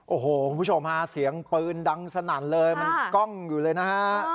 โอ้โหคุณผู้ชมฮะเสียงปืนดังสนั่นเลยมันกล้องอยู่เลยนะฮะ